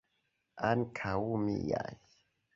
Ankaŭ miaj?